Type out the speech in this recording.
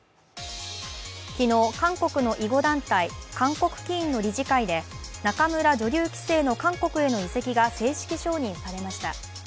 昨日、韓国の囲碁団体、韓国棋院の理事会で仲邑女流棋聖の韓国への移籍が正式承認されました。